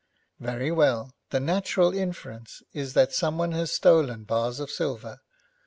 'Very well, the natural inference is that someone has stolen bars of silver.